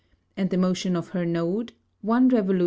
And the Motion of her Node, 1 Revol.